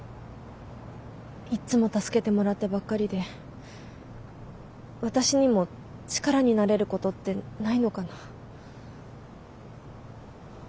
いっつも助けてもらってばっかりで私にも力になれることってないのかな。